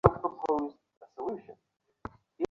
একটু আস্তে মারতে পারতে।